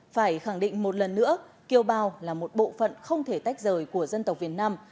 phải khẳng định một lần nữa kiểu bào là một bộ phận không thể tách rời của dân tộc việt nam